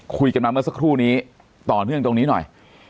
คุยกันมาเมื่อสักครู่นี้ต่อเนื่องตรงนี้หน่อย